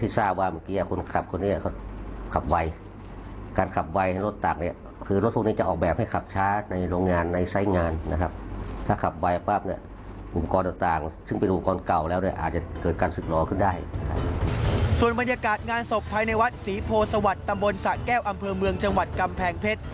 ส่วนบรรยากาศงานศพภายในวัดศรีโพสวัสดิ์ตำบลสะแก้วอำเภอเมืองจังหวัดกำแพงเพชร